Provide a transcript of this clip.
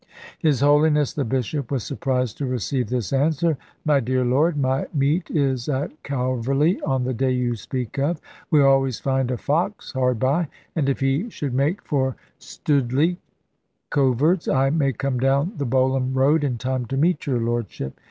His holiness the Bishop was surprised to receive this answer: "My dear Lord, My meet is at Calverly on the day you speak of. We always find a fox hard by; and if he should make for Stoodleigh coverts, I may come down the Bolham road in time to meet your Lordship.